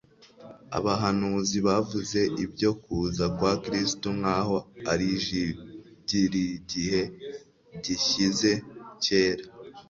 Abahanuzi bavuze ibyo kuza kwa Kristo, nkaho.ariJibyligihe gishyize kera;